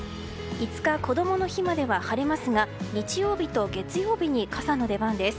５日、こどもの日までは晴れますが日曜日と月曜日に傘の出番です。